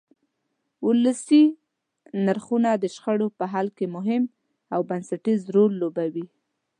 ولسي نرخونه د شخړو په حل کې مهم او بنسټیز رول لوبوي.